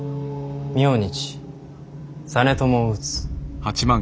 明日実朝を討つ。